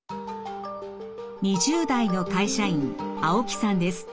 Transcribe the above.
２０代の会社員青木さんです。